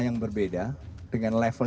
yang berbeda dengan level